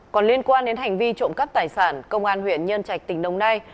còn liên quan đến hành vi trộm cắp tài sản công an huyện nhân trạch tỉnh đồng nai